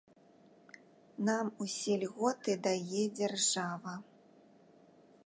Нам усе льготы дае дзяржава.